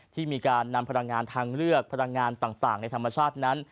ที่มีการนำพลังงานทางเลือกพลังงานต่างในธรรมชาตินั้น